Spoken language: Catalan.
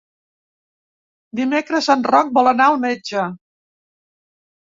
Dimecres en Roc vol anar al metge.